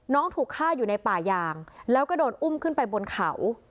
ถูกฆ่าอยู่ในป่ายางแล้วก็โดนอุ้มขึ้นไปบนเขา